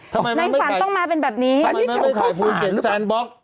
ทำไมมันไม่ต้องมาเป็นแบบนี้ทำไมมันไม่ถ่ายฟูเก็ตแซนบล็อก